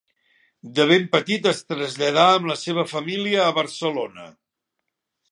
De ben petit es traslladà amb la seva família a Barcelona.